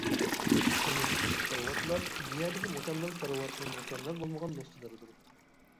تۇرمۇشتىكى كارىۋاتلار ئىدىيەدىكى مۇكەممەل كارىۋاتنىڭ مۇكەممەل بولمىغان نۇسخىلىرىدۇر.